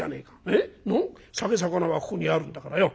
酒肴はここにあるんだからよ。